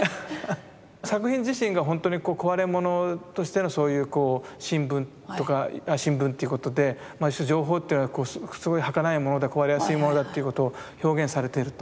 作品自身がほんとにこわれものとしてのそういうこう新聞っていうことでまあ一種情報っていうのはすごいはかないもので壊れやすいものだっていうことを表現されていると。